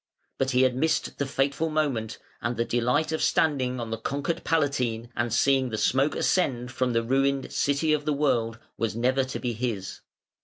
But he had missed the fateful moment, and the delight of standing on the conquered Palatine, and seeing the smoke ascend from the ruined City of the World, was never to be his.